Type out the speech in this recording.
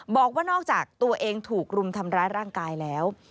บอกว่านอกจากตัวเองถูกรุมทำร้ายร่างกายแล้ว